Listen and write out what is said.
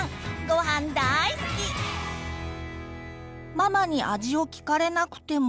ママに味を聞かれなくても。